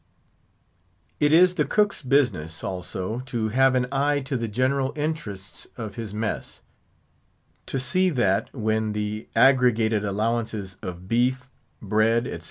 It is the cook's business, also, to have an eye to the general interests of his mess; to see that, when the aggregated allowances of beef, bread, etc.